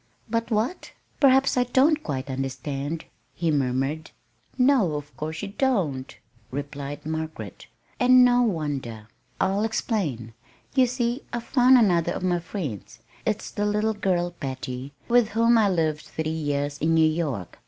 "But what perhaps I don't quite understand," he murmured. "No, of course you don't," replied Margaret; "and no wonder. I'll explain. You see I've found another of my friends. It's the little girl, Patty, with whom I lived three years in New York.